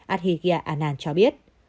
abiyagia anand cho biết